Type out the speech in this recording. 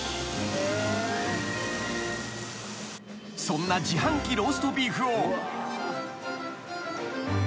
［そんな自販機ローストビーフを］